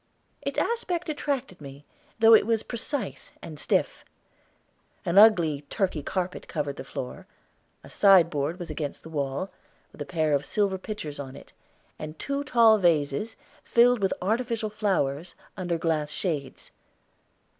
Its aspect attracted me, though it was precise and stiff. An ugly Turkey carpet covered the floor; a sideboard was against the wall, with a pair of silver pitchers on it, and two tall vases, filled with artificial flowers, under glass shades.